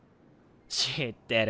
知ってる？